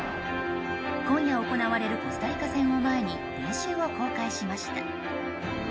今夜行われるコスタリカ戦を前に練習を公開しました。